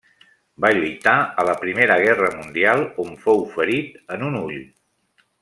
Va lluitar a la Primera Guerra Mundial, on fou ferit en un ull.